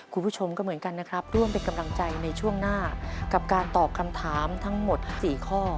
คุณผู้ชมก็เหมือนกันนะครับร่วมเป็นกำลังใจในช่วงหน้ากับการตอบคำถามทั้งหมด๔ข้อ